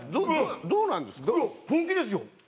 本気ですよ。